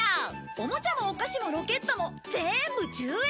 おもちゃもお菓子もロケットもぜんぶ１０円！